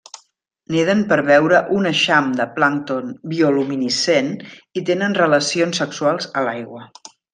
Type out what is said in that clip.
Neden per veure un eixam de plàncton bioluminescent i tenen relacions sexuals a l'aigua.